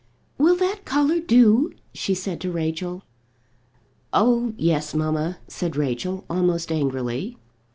"Will that collar do?" she said to Rachel. "Oh, yes, mamma," said Rachel, almost angrily.